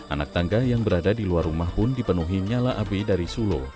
anak tangga yang berada di luar rumah pun dipenuhi nyala abe dari solo